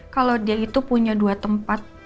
kalau dia itu punya dua tempat